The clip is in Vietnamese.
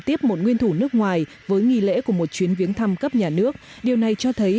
tiếp một nguyên thủ nước ngoài với nghi lễ của một chuyến viếng thăm cấp nhà nước điều này cho thấy